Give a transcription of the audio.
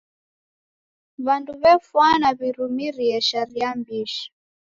W'andu w'efwana w'irumirie sharia mbishi.